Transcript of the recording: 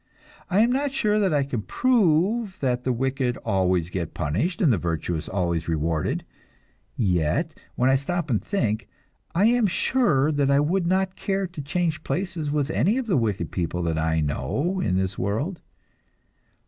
I am not sure that I can prove that the wicked always get punished and the virtuous always rewarded; yet, when I stop and think, I am sure that I would not care to change places with any of the wicked people that I know in this world.